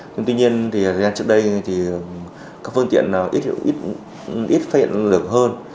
nhưng tuy nhiên trước đây các phương tiện ít phát hiện được hơn